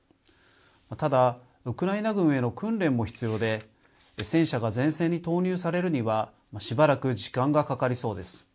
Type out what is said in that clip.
ただ、ウクライナ軍への訓練も必要で、戦車が前線に投入されるにはしばらく時間がかかりそうです。